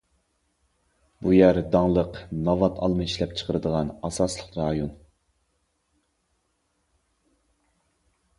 بۇ يەر داڭلىق« ناۋات» ئالما ئىشلەپچىقىرىدىغان ئاساسلىق رايون.